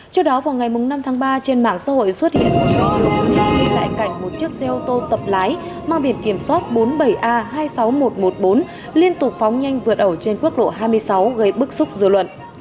trước đó vào ngày năm tháng ba trên mạng xã hội xuất hiện một chiếc xe ô tô tập lái mang biển kiểm soát bốn mươi bảy a hai mươi sáu nghìn một trăm một mươi bốn liên tục phóng nhanh vượt ẩu trên quốc lộ hai mươi sáu gây bức xúc dự luận